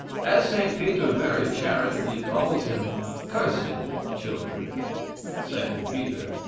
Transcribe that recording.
As St. Peter very charitably calls them, 'cursed children.' 2 Peter ii.